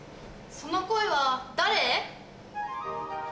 その声は誰？